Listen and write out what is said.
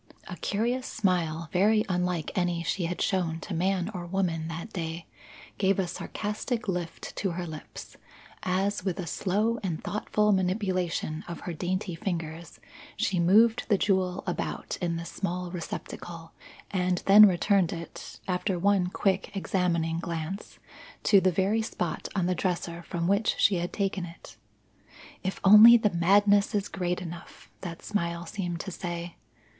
A curious smile, very unlike any she had shown to man or woman that day, gave a sarcastic lift to her lips, as with a slow and thoughtful manipulation of her dainty fingers she moved the jewel about in this small receptacle and then returned it, after one quick examining glance, to the very spot on the dresser from which she had taken it. "If only the madness is great enough!" that smile seemed to say.